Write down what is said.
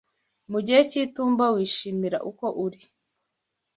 mugihe cy'itumba wishimire uko uri